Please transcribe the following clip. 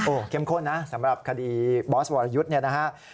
โอ้เค็มข้นนะสำหรับคดีบอสวรยุทธ์